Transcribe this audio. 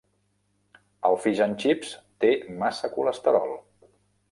El Fish and Chips té massa colesterol.